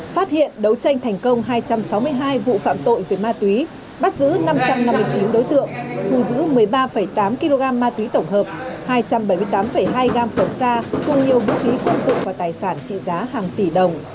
phát hiện đấu tranh thành công hai trăm sáu mươi hai vụ phạm tội về ma túy bắt giữ năm trăm năm mươi chín đối tượng thu giữ một mươi ba tám kg ma túy tổng hợp hai trăm bảy mươi tám hai gam cần sa cùng nhiều vũ khí quân dụng và tài sản trị giá hàng tỷ đồng